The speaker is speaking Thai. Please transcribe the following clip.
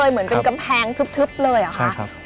เหมือนเป็นกำแพงทึบเลยเหรอคะ